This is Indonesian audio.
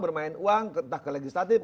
bermain uang entah ke legislatif